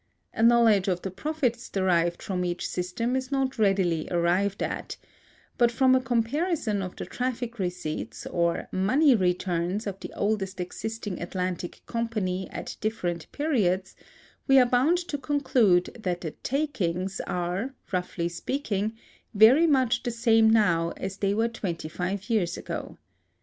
A knowledge of the profits derived from each system is not readily arrived at; but from a comparison of the traffic receipts or "money returns" of the oldest existing Atlantic company at different periods, we are bound to conclude that the "takings" are, roughly speaking, very much the same now as they were twenty five years ago.